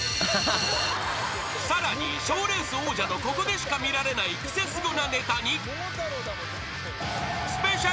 ［さらに賞レース王者のここでしか見られないクセスゴなネタに］